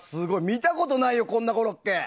見たことないよこんなコロッケ。